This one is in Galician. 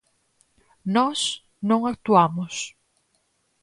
Nós non actuamos.